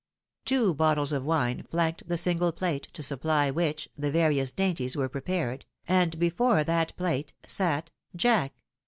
Two bottles of wine flanked the single plate, to supply which, the various dainties were prepared — and before that plate sat>— Jack